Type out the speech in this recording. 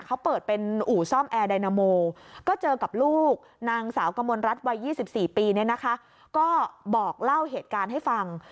เขาเปิดเป็นอู่ซ่อมแอร์ไดนาโมบ็อกเล่าเหตุการณ์ให้ฟัง